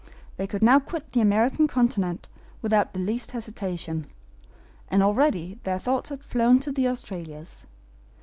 They could now quit the American Continent without the least hesitation, and already their thoughts had flown to the Australias.